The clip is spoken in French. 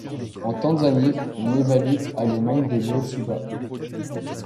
En Tanzanie, on évalue à le nombre de Luo Suba.